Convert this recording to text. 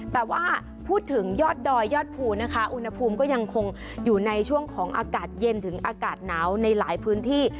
แต่ว่าพูดถึงยอดดอยยอดภูนะคะอุณหภูมิก็ยังคงอยู่ในช่วงของอากาศเย็นถึงอากาศหนาวในหลายพื้นที่